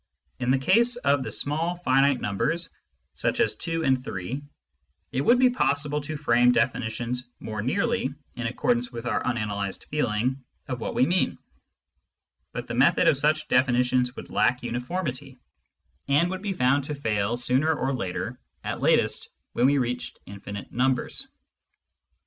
In the case of the small finite numbers, such as 2 and 3, it would be possible to frame definitions more nearly in accordance with our unanalysed feeling of what we mean ; but the method of such definitions would lack uniformity, and would be found to fail sooner or later — at latest when we reached infinite numbers.